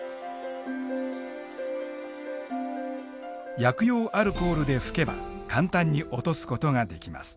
薬用アルコールで拭けば簡単に落とすことができます。